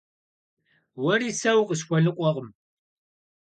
Уэри сэ укъысхуэныкъуэкъым.